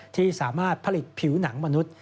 ที่สามารถผลิตผิวหนังมนุษย์